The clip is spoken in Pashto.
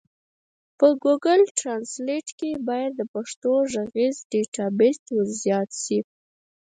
په ګوګل ټرانزلېټ کي بايد د پښتو ږغيز ډيټابيس ورزيات سي.